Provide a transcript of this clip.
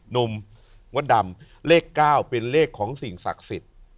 หนุ่มมดดำเลข๙เป็นเลขของสิ่งศักดิ์สิทธิ์